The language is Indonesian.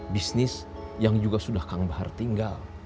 bisnis yang juga sudah kang bahar tinggal